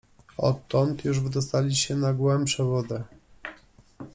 Odtąd już wydostali się na głębszą wodę.